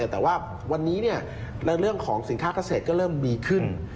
แต่ว่าวันนี้ในเรื่องของสินค้าเกษตรก็เริ่มดีขึ้น